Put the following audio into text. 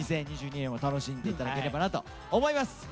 ２０２２年も楽しんで頂ければなと思います。